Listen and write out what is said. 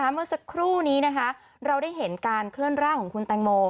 เมื่อสักครู่นี้เราได้เห็นการเคลื่อนร่างของคุณแตงโม